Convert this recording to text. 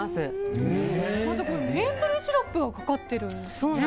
メープルシロップがかかっているんですね。